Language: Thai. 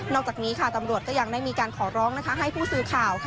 นอกจากนี้ตำรวจก็ยังได้มีการขอร้องให้ผู้สื่อข่าว